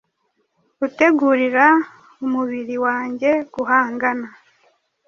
utegurira umubiri wanjye guhangana,